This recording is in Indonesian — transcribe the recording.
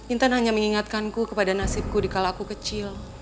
intan hanya mengingatkanku kepada nasibku dikala aku kecil